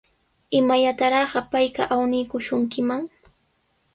¿Imallataraqa payqa awniykishunkiman?